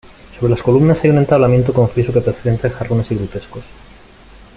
Sobre las columnas hay un entablamento con friso que presenta jarrones y grutescos.